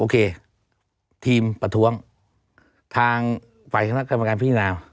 โอเคทีมประท้วงทางฝ่ายคณะกรรมการพินาศาสตร์